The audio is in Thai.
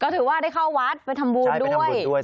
ถือว่าได้เข้าวัดไปทำบุญด้วย